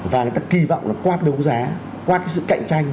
và người ta kỳ vọng là qua đấu giá qua cái sự cạnh tranh